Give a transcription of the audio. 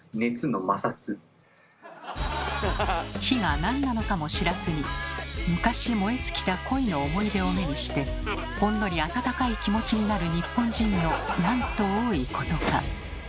火がなんなのかも知らずに昔燃え尽きた恋の思い出を目にしてほんのり温かい気持ちになる日本人のなんと多いことか。